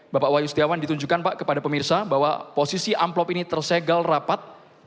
bapak wayu setiawan ditunjukkan pak kepada pemirsa bahwa posisi amplop ini tersegel rapat